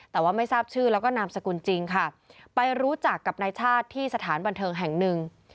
แต่ว่าไม่ทราบชื่อแล้วก็นามสกุลจริงค่ะไปรู้จักกับนายชาติที่สถานบันเทิงแห่งหนึ่ง